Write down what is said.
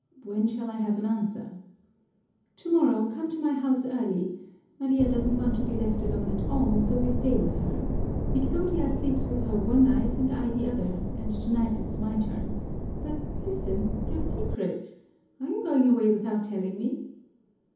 "When shall I have an answer?" "Tomorrow come to my house early. Maria doesn't want to be left alone at all, so we stay with her. Victoria sleeps with her one night and I the other, and tonight it's my turn. But listen, your secret? Are you going away without telling me?"